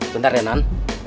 bentar ya nan